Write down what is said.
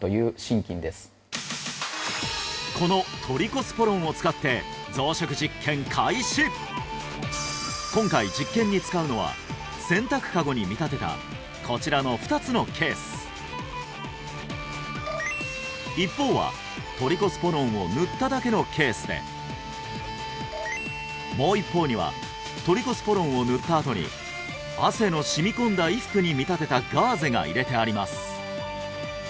このトリコスポロンを使って今回実験に使うのは一方はトリコスポロンを塗っただけのケースでもう一方にはトリコスポロンを塗ったあとに汗の染み込んだ衣服に見立てたガーゼが入れてあります